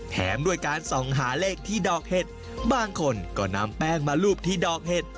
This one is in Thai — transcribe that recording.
แถมด้วยการส่องหาเลขที่ดอกเห็ดบางคนก็นำแป้งมารูปที่ดอกเห็ด